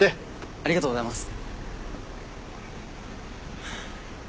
ありがとうございます。